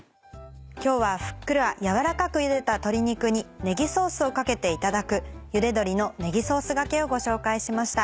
今日はふっくら軟らかくゆでた鶏肉にねぎソースをかけていただく「ゆで鶏のねぎソースがけ」をご紹介しました。